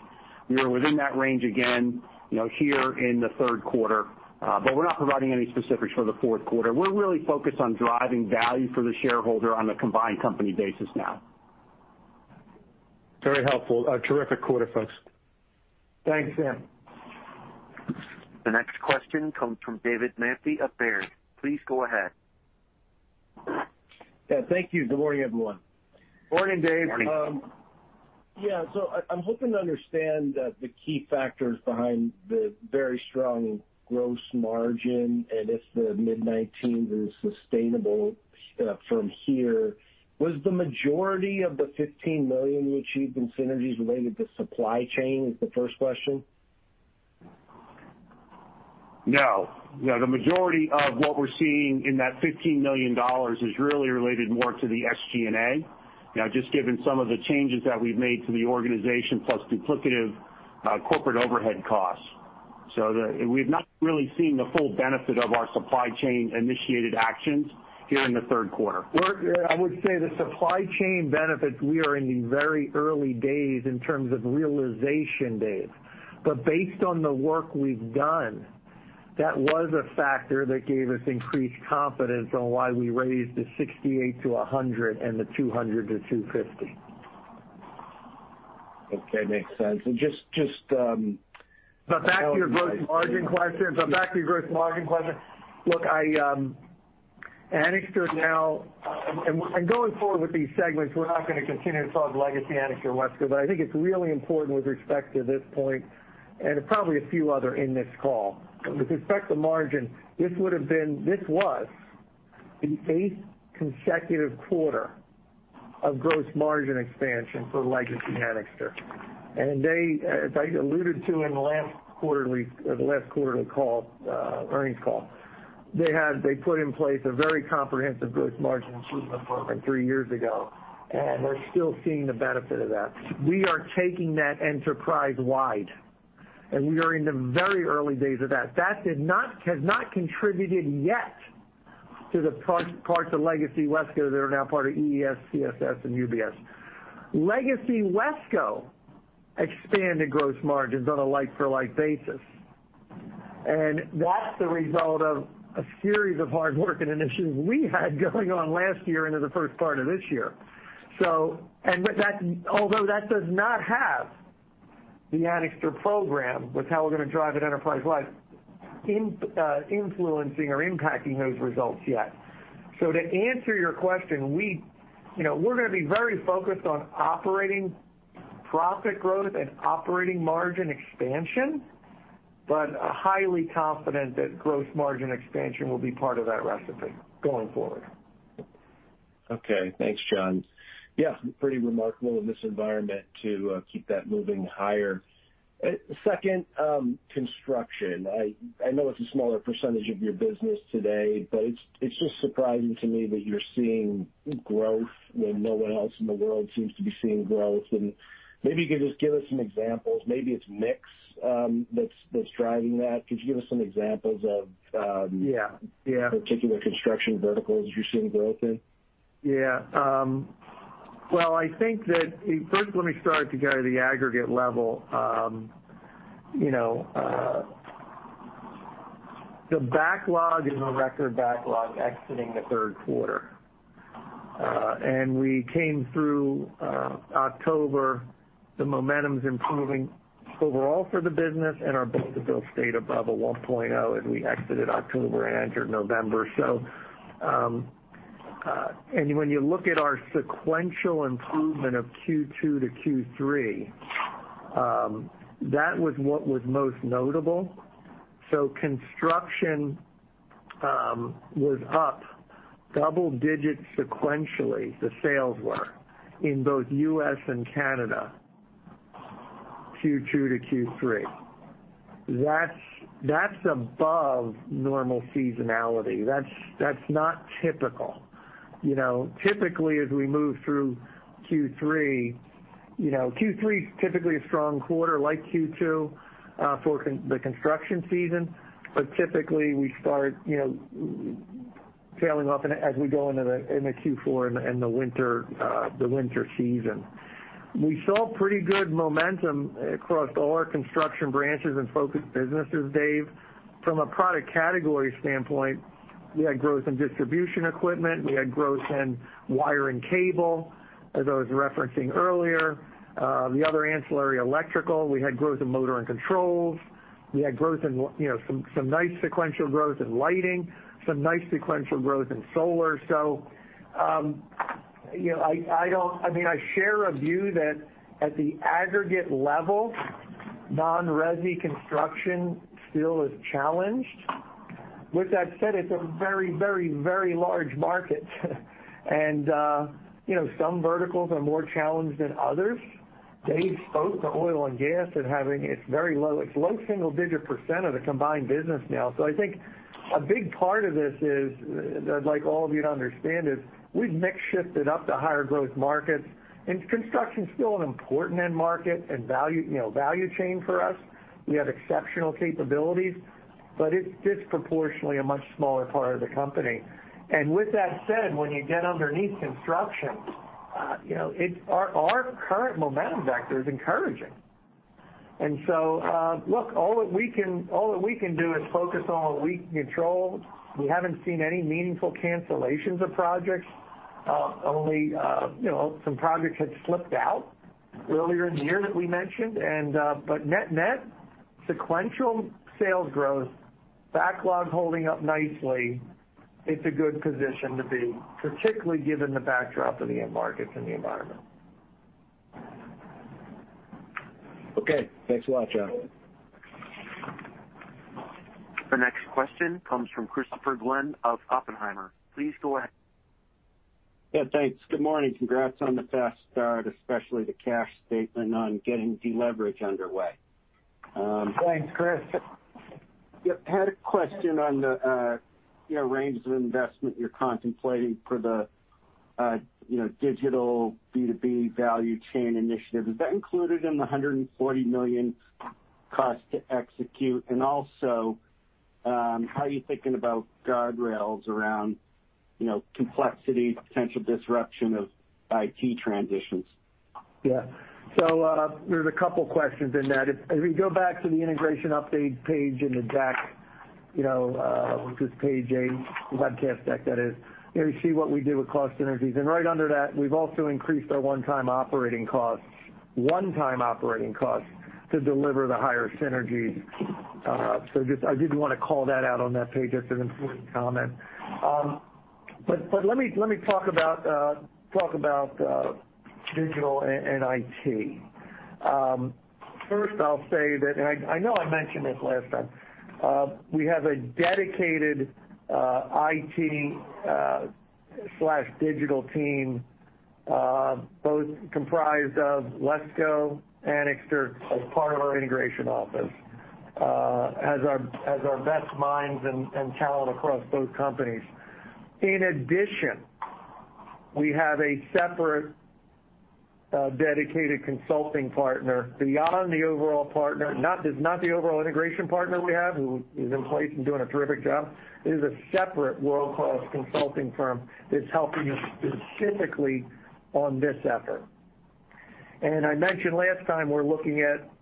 We were within that range again here in the third quarter. We're not providing any specifics for the fourth quarter. We're really focused on driving value for the shareholder on a combined company basis now. Very helpful. Terrific quarter, folks. Thanks, Sam. The next question comes from David Manthey of Baird. Please go ahead. Yeah, thank you. Good morning, everyone. Morning, Dave. Morning. Yeah. I'm hoping to understand the key factors behind the very strong gross margin, and if the mid-19% is sustainable from here. Was the majority of the $15 million you achieved in synergies related to supply chain? Is the first question. No. The majority of what we're seeing in that $15 million is really related more to the SG&A. Just given some of the changes that we've made to the organization, plus duplicative corporate overhead costs. We've not really seen the full benefit of our supply chain-initiated actions here in the third quarter. I would say the supply chain benefits, we are in the very early days in terms of realization, Dave. Based on the work we've done, that was a factor that gave us increased confidence on why we raised the $68 million-$100 million and the $200 million-$250 million. Okay, makes sense. Back to your gross margin question. Look, going forward with these segments, we're not going to continue to call it legacy Anixter WESCO, I think it's really important with respect to this point and probably a few other in this call. With respect to margin, this was the eighth consecutive quarter of gross margin expansion for legacy Anixter. As I alluded to in the last quarterly earnings call, they put in place a very comprehensive gross margin improvement program three years ago, we're still seeing the benefit of that. We are taking that enterprise-wide, we are in the very early days of that. That has not contributed yet to the parts of legacy WESCO that are now part of EES, CSS, and UBS. Legacy WESCO expanded gross margins on a like-for-like basis, and that's the result of a series of hard work and initiatives we had going on last year into the first part of this year. Although that does not have the Anixter program, with how we're going to drive it enterprise-wide, influencing or impacting those results yet. To answer your question, we're going to be very focused on operating profit growth and operating margin expansion, but highly confident that gross margin expansion will be part of that recipe going forward. Okay, thanks, John. Yeah, pretty remarkable in this environment to keep that moving higher. Second, construction. I know it's a smaller percentage of your business today, but it's just surprising to me that you're seeing growth when no one else in the world seems to be seeing growth. Maybe you could just give us some examples. Maybe it's mix that's driving that. Could you give us some examples of? Yeah particular construction verticals you're seeing growth in? Yeah. Well, I think that, first let me start at the aggregate level. The backlog is a record backlog exiting the third quarter. We came through October, the momentum's improving overall for the business and our book-to-bill stayed above a 1.0 as we exited October and entered November. When you look at our sequential improvement of Q2 to Q3, that was what was most notable. Construction was up double digits sequentially, the sales were, in both U.S. and Canada, Q2 to Q3. That's above normal seasonality. That's not typical. Typically, as we move through Q3's typically a strong quarter like Q2 for the construction season, typically we start trailing off as we go into Q4 and the winter season. We saw pretty good momentum across all our construction branches and focused businesses, David. From a product category standpoint, we had growth in distribution equipment. We had growth in wire and cable, as I was referencing earlier. The other ancillary electrical, we had growth in motor and controls. We had some nice sequential growth in lighting, some nice sequential growth in solar. I share a view that at the aggregate level, non-resi construction still is challenged. With that said, it's a very large market. Some verticals are more challenged than others. Dave spoke to oil and gas and having its very low, it's low single-digit percentage of the combined business now. I think a big part of this is, I'd like all of you to understand is, we've mix shifted up to higher growth markets, and construction's still an important end market and value chain for us. We have exceptional capabilities, but it's disproportionately a much smaller part of the company. With that said, when you get underneath construction, our current momentum vector is encouraging. Look, all that we can do is focus on what we control. We haven't seen any meaningful cancellations of projects. Only some projects had slipped out earlier in the year that we mentioned. Net sequential sales growth, backlog holding up nicely. It's a good position to be, particularly given the backdrop of the end markets and the environment. Okay. Thanks a lot, John. The next question comes from Christopher Glynn of Oppenheimer. Please go ahead. Yeah, thanks. Good morning. Congrats on the fast start, especially the cash statement on getting deleverage underway. Thanks, Chris. Yep. Had a question on the range of investment you're contemplating for the digital B2B value chain initiative. Is that included in the $140 million cost to execute? Also, how are you thinking about guardrails around complexity, potential disruption of IT transitions? Yeah. There's a couple questions in that. If you go back to the integration update page in the deck, which is page eight, the webcast deck, that is, you see what we do with cost synergies. Right under that, we've also increased our one-time operating costs to deliver the higher synergies. I did want to call that out on that page. That's an important comment. Let me talk about digital and IT. First, I'll say that, and I know I mentioned this last time, we have a dedicated IT/digital team, both comprised of WESCO and Anixter as part of our integration office, as our best minds and talent across both companies. In addition, we have a separate dedicated consulting partner beyond the overall partner. This is not the overall integration partner we have who is in place and doing a terrific job. It is a separate world-class consulting firm that's helping us specifically on this effort. I mentioned last time, we're looking at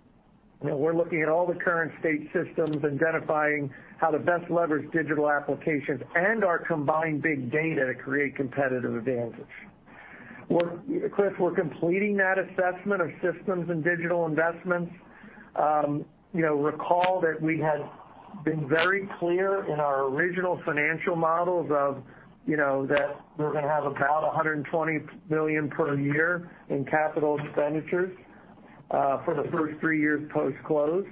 all the current state systems, identifying how to best leverage digital applications and our combined big data to create competitive advantage. Chris, we're completing that assessment of systems and digital investments. Recall that we had been very clear in our original financial models of that we're going to have about $120 million per year in capital expenditures for the first three years post-close.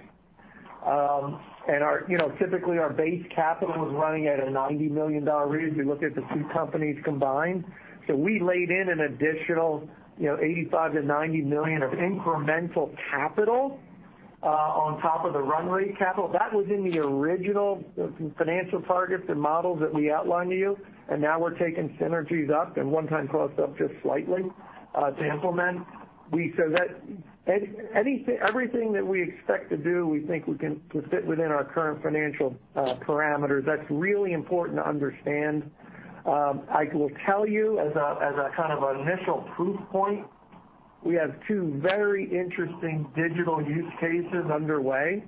Typically, our base capital is running at a $90 million rate if you look at the two companies combined. We laid in an additional $85 million-$90 million of incremental capital on top of the run rate capital. That was in the original financial targets and models that we outlined to you. Now we're taking synergies up and one-time costs up just slightly to implement. Everything that we expect to do, we think will fit within our current financial parameters. That's really important to understand. I will tell you as a kind of initial proof point, we have two very interesting digital use cases underway.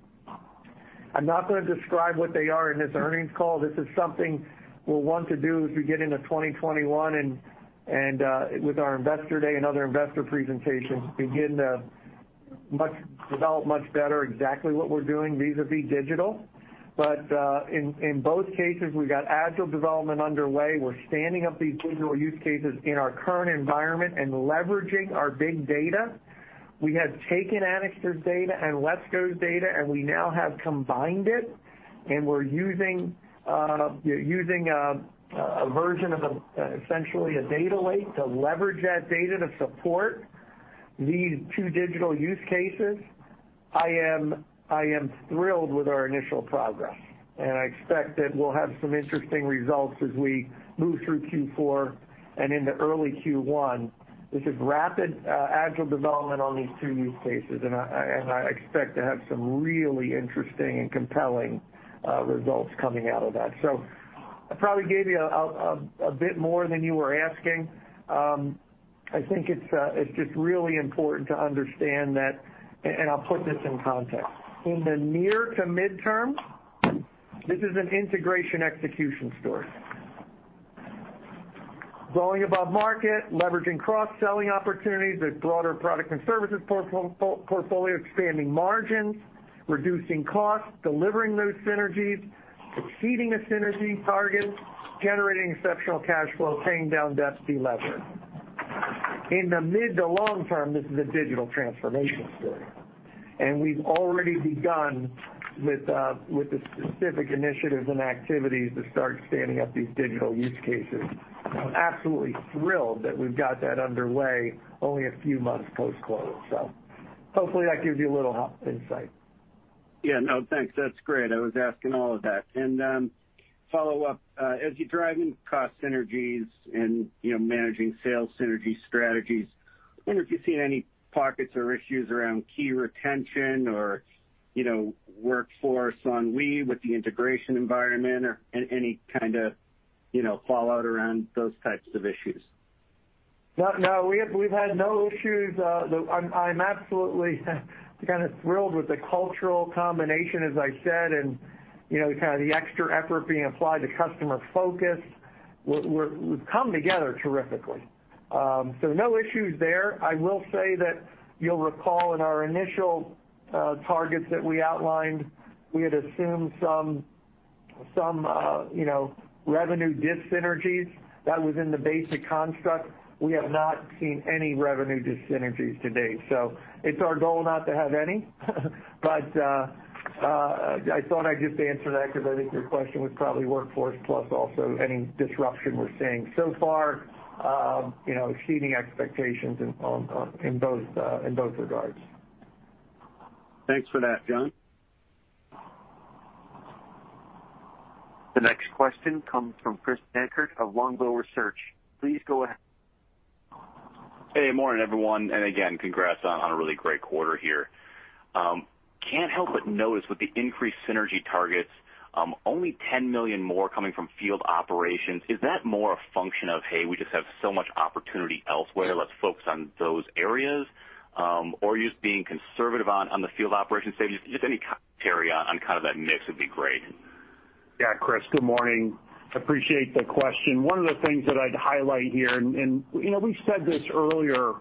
I'm not going to describe what they are in this earnings call. This is something we'll want to do as we get into 2021 and with our investor day and other investor presentations, begin to develop much better exactly what we're doing vis-a-vis digital. In both cases, we've got agile development underway. We're standing up these digital use cases in our current environment and leveraging our big data. We have taken Anixter's data and WESCO's data, and we now have combined it, and we're using a version of essentially a data lake to leverage that data to support these two digital use cases. I am thrilled with our initial progress, and I expect that we'll have some interesting results as we move through Q4 and into early Q1. This is rapid agile development on these two use cases, and I expect to have some really interesting and compelling results coming out of that. I probably gave you a bit more than you were asking. I think it's just really important to understand that, and I'll put this in context. In the near to midterm, this is an integration execution story. Growing above market, leveraging cross-selling opportunities with broader product and services portfolio, expanding margins, reducing costs, delivering those synergies, exceeding the synergy targets, generating exceptional cash flow, paying down debt to deleverage. In the mid to long term, this is a digital transformation story, and we've already begun with the specific initiatives and activities to start standing up these digital use cases. I'm absolutely thrilled that we've got that underway only a few months post-close. Hopefully, that gives you a little insight. Yeah. No, thanks. That's great. I was asking all of that. Follow up, as you're driving cost synergies and managing sales synergy strategies, I wonder if you've seen any pockets or issues around key retention or workforce on leave with the integration environment or any kind of fallout around those types of issues? We've had no issues. I'm absolutely kind of thrilled with the cultural combination, as I said, and the extra effort being applied to customer focus. We've come together terrifically. No issues there. I will say that you'll recall in our initial targets that we outlined, we had assumed some revenue dis-synergies. That was in the basic construct. We have not seen any revenue dis-synergies to date. It's our goal not to have any. I thought I'd just answer that because I think your question was probably workforce plus also any disruption we're seeing. So far, exceeding expectations in both regards. Thanks for that, John. The next question comes from Chris Dankert of Longbow Research. Please go ahead. Morning, everyone. Again, congrats on a really great quarter here. Can't help but notice with the increased synergy targets, only $10 million more coming from field operations. Is that more a function of, hey, we just have so much opportunity elsewhere, let's focus on those areas? Are you just being conservative on the field operations savings? Just any commentary on kind of that mix would be great. Chris, good morning. Appreciate the question. One of the things that I'd highlight here, and we've said this earlier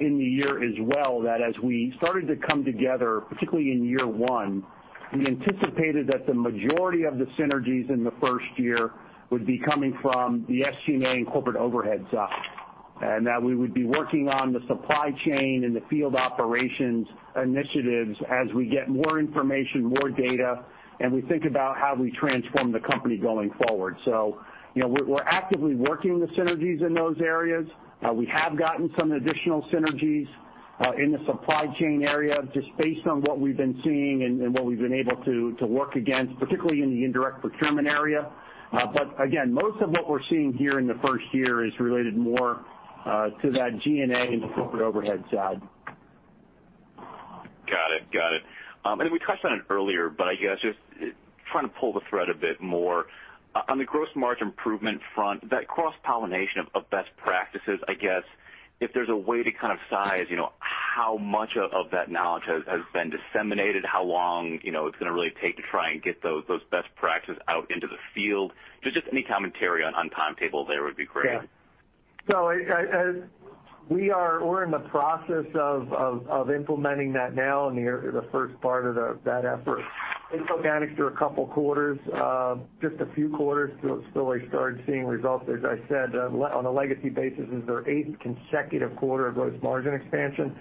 in the year as well, that as we started to come together, particularly in year one, we anticipated that the majority of the synergies in the first year would be coming from the SG&A and corporate overhead side, and that we would be working on the supply chain and the field operations initiatives as we get more information, more data, and we think about how we transform the company going forward. We're actively working the synergies in those areas. We have gotten some additional synergies in the supply chain area, just based on what we've been seeing and what we've been able to work against, particularly in the indirect procurement area. Again, most of what we're seeing here in the first year is related more to that G&A and corporate overhead side. Got it. We touched on it earlier, but I guess just trying to pull the thread a bit more. On the gross margin improvement front, that cross-pollination of best practices, I guess, if there's a way to kind of size how much of that knowledge has been disseminated, how long it's going to really take to try and get those best practices out into the field. Just any commentary on timetable there would be great. Yeah. We're in the process of implementing that now in the first part of that effort. It took Anixter through a couple quarters, just a few quarters till they started seeing results. As I said, on a legacy basis, this is our eighth consecutive quarter of gross margin expansion.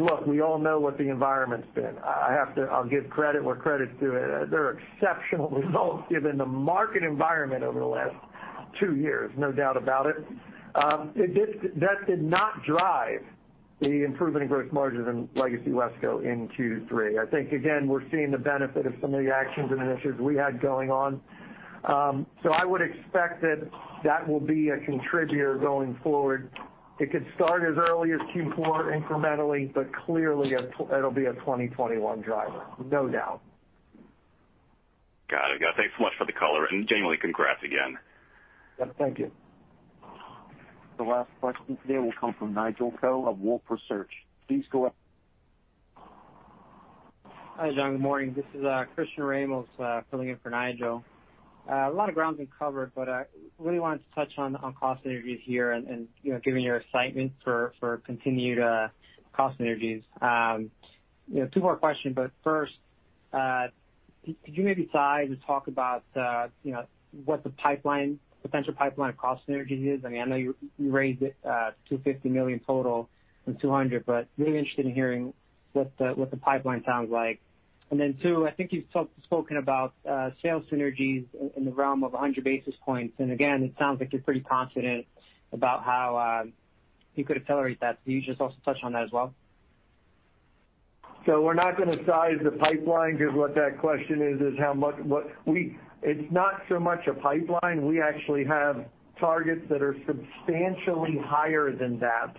Look, we all know what the environment's been. I'll give credit where credit's due. They're exceptional results given the market environment over the last two years, no doubt about it. That did not drive the improvement in gross margins in legacy WESCO in Q3. I think, again, we're seeing the benefit of some of the actions and initiatives we had going on. I would expect that that will be a contributor going forward. It could start as early as Q4 incrementally, but clearly it'll be a 2021 driver, no doubt. Got it. Thanks so much for the color, genuinely congrats again. Thank you. The last question today will come from Nigel Coe of Wolfe Research. Please go ahead. Hi, John. Good morning. This is Cristian Ramos filling in for Nigel. A lot of ground's been covered, but really wanted to touch on cost synergies here and giving your excitement for continued cost synergies. Two more questions, but first, could you maybe size or talk about what the potential pipeline of cost synergies is? I know you raised it to $250 million total from $200 million, but really interested in hearing what the pipeline sounds like. Then two, I think you've spoken about sales synergies in the realm of 100 basis points. Again, it sounds like you're pretty confident about how you could accelerate that. Can you just also touch on that as well? We're not going to size the pipeline because what that question is how much. It's not so much a pipeline. We actually have targets that are substantially higher than that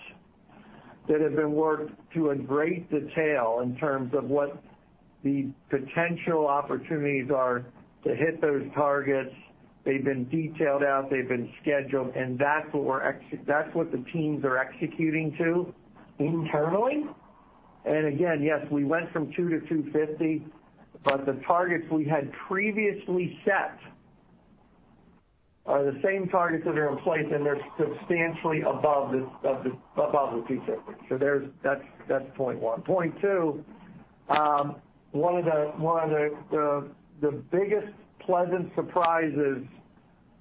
have been worked to a great detail in terms of what the potential opportunities are to hit those targets. They've been detailed out, they've been scheduled, and that's what the teams are executing to internally. Again, yes, we went from $200 million-$250 million, but the targets we had previously set are the same targets that are in place, and they're substantially above the 250. That's point one. Point two, one of the biggest pleasant surprises,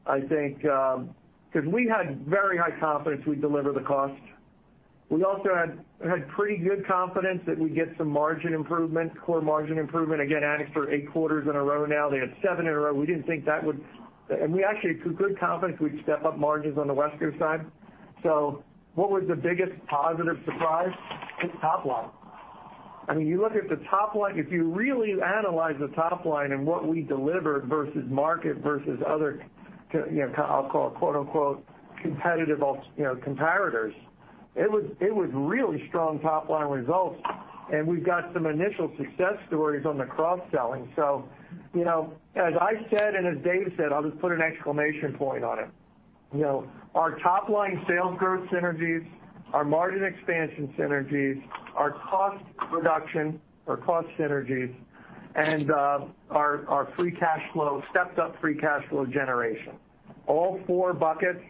I think, because we had very high confidence we'd deliver the cost. We also had pretty good confidence that we'd get some margin improvement, core margin improvement. Again, Anixter for eight quarters in a row now. They had seven in a row. We actually had good confidence we'd step up margins on the WESCO side. What was the biggest positive surprise? It's top line. You look at the top line, if you really analyze the top line and what we delivered versus market versus other, I'll call quote unquote, competitive comparators. It was really strong top-line results, and we've got some initial success stories on the cross-selling. As I said, and as Dave said, I'll just put an exclamation point on it. Our top-line sales growth synergies, our margin expansion synergies, our cost reduction, our cost synergies, and our stepped up free cash flow generation. All four buckets,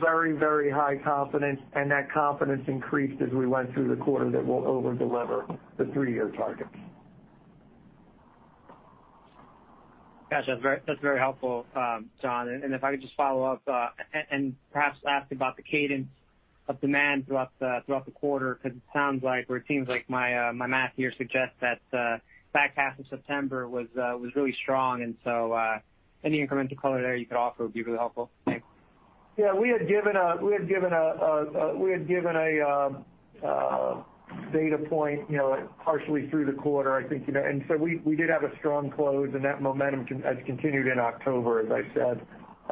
very high confidence, and that confidence increased as we went through the quarter that we'll over-deliver the three-year targets. Gotcha. That's very helpful, John. If I could just follow up, and perhaps ask about the cadence of demand throughout the quarter, because it sounds like, or it seems like my math here suggests that the back half of September was really strong. Any incremental color there you could offer would be really helpful. Thanks. Yeah, we had given a data point partially through the quarter, I think. We did have a strong close, and that momentum has continued in October, as I said.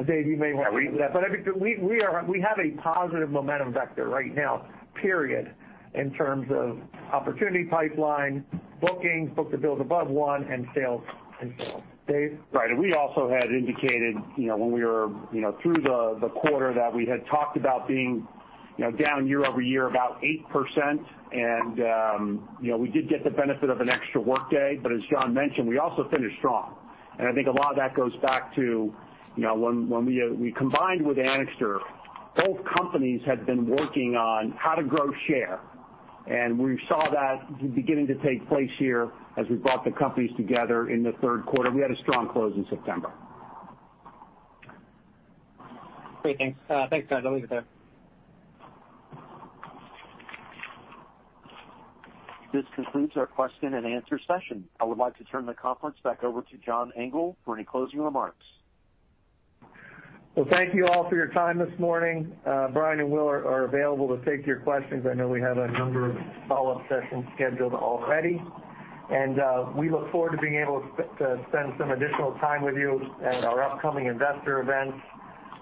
Dave, you may want to- Yeah. I think we have a positive momentum vector right now, period, in terms of opportunity pipeline, bookings, book-to-bill above one, and sales. Dave? Right. We also had indicated when we were through the quarter that we had talked about being down year-over-year about 8%. We did get the benefit of an extra workday, but as John mentioned, we also finished strong. I think a lot of that goes back to when we combined with Anixter, both companies had been working on how to grow share, and we saw that beginning to take place here as we brought the companies together in the third quarter. We had a strong close in September. Great, thanks. Thanks, John. I'll leave it there. This concludes our question-and-answer session. I would like to turn the conference back over to John Engel for any closing remarks. Well, thank you all for your time this morning. Brian and Will are available to take your questions. I know we have a number of follow-up sessions scheduled already, and we look forward to being able to spend some additional time with you at our upcoming investor events.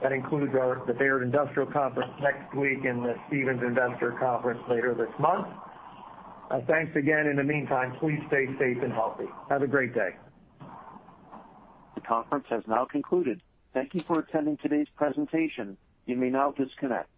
That includes the Baird Industrial Conference next week and the Stephens Investor Conference later this month. Thanks again. In the meantime, please stay safe and healthy. Have a great day. The conference has now concluded. Thank you for attending today's presentation. You may now disconnect.